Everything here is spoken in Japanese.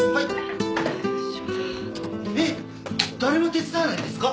えっ誰も手伝わないんですか？